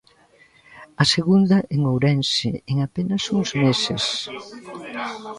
A segunda en Ourense en apenas uns meses.